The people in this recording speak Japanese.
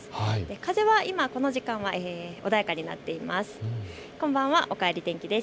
風は今、この時間は穏やかになっています。